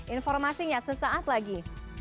informasinya sesaat lagi